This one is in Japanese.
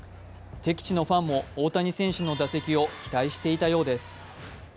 敵地のファンも大谷選手の打席を期待していたようです。